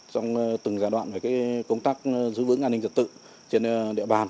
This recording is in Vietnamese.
trong từng giai đoạn về công tác giữ vững an ninh trật tự trên địa bàn